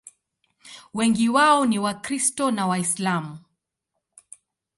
Wengi wao ni Wakristo na Waislamu.